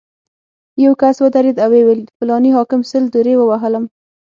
یو کس ودرېد او ویې ویل: فلاني حاکم سل درې ووهلم.